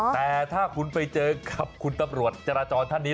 แต่ถ้าคุณไปเจอกับคุณตำรวจจราจรท่านนี้